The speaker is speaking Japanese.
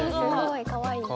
かわいい。